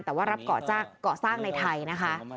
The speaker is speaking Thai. แต่ว่ารับเกาะสร้างในไทยนะคะ